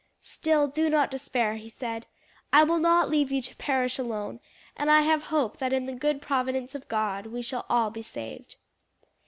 "Still, do not despair," he said, "I will not leave you to perish alone; and I have hope that in the good providence of God, we shall all be saved."